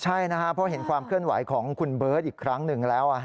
ใช่นะครับเพราะเห็นความเคลื่อนไหวของคุณเบิร์ตอีกครั้งหนึ่งแล้ว